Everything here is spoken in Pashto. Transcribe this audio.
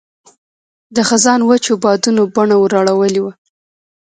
د خزان وچو بادونو بڼه ور اړولې وه.